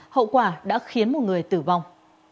hậu quả đã khiến một người tử vong